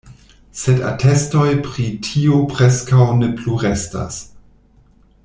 Sed atestoj pri tio preskaŭ ne plu restas.